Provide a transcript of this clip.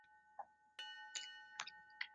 当时日文并没有书写系统。